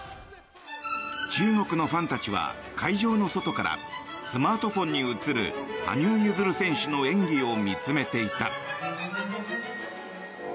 中国のファンたちは会場の外からスマートフォンに映る羽生結弦選手の演技を見つめていた。